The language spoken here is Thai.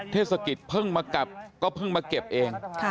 เทศกิริชย์พึ่งมากับก็พึ่งมาเก็บเอง